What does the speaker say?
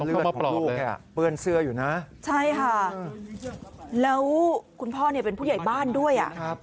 แล้วคุณพ่อเป็นผู้ใหญ่บ้านด้วย